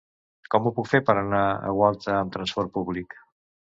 Com ho puc fer per anar a Gualta amb trasport públic?